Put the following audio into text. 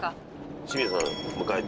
清水さん迎えて。